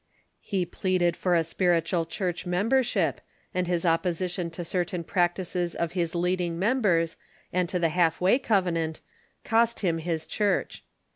He pleaded for a spiritual church membership, and his oppo sition to certain practices of his leading members and to the Half way Covenant cost him his church.